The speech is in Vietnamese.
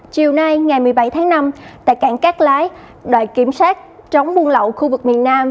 chiều nay ngày một mươi bảy tháng năm tại cảng cát lái đoàn kiểm soát chống buôn lậu khu vực miền nam